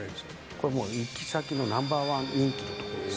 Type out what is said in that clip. それはもう、行き先のナンバーワン人気の所です。